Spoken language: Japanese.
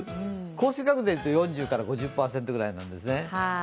降水確率でいうと４０から５０％くらいなんですね。